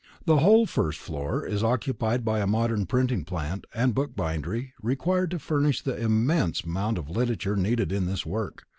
The whole first floor is occupied by a modern printing plant and book bindery required to furnish the immense amount of literature needed in this work.